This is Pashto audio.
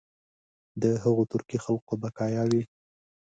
د هغو ترکي خلکو بقایا وي.